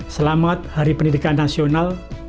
selamat hari pendidikan nasional